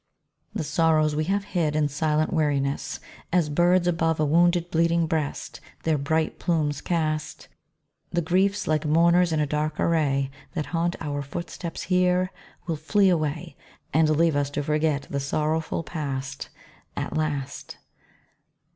The sorrows we have hid in silent weariness, As birds above a wounded, bleeding breast, Their bright plumes cast; The griefs like mourners in a dark array, That haunt our footsteps here, will flee away, And leave us to forget the sorrowful past, At last.